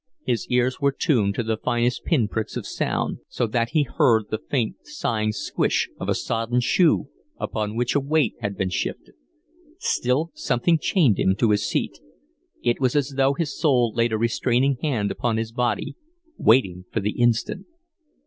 His ears were tuned to the finest pin pricks of sound, so that he heard the faint, sighing "squish" of a sodden shoe upon which a weight had shifted. Still something chained him to his seat. It was as though his soul laid a restraining hand upon his body, waiting for the instant.